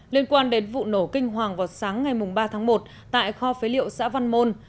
liên quan đến vụ nổ kinh hoàng vào sáng ngày ba tháng một tại kho phế liệu xã văn môn